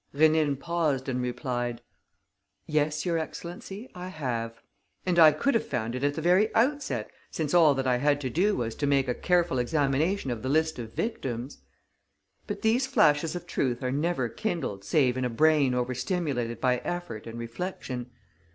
Rénine paused and replied: "Yes, your excellency, I have. And I could have found it at the very outset, since all that I had to do was to make a careful examination of the list of victims. But these flashes of truth are never kindled save in a brain overstimulated by effort and reflection.